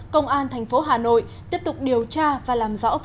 công an thành phố hà nội tiếp tục điều tra và làm rõ vụ án mạng